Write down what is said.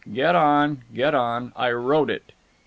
"Get on! Get on! I wrote it."